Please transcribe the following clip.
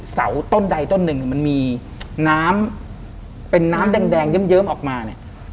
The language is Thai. เสาต้นใดต้นหนึ่งมันมีน้ำเป็นน้ำแดงเยิ้มออกมาเนี่ย